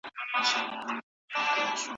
بریالي اوسئ.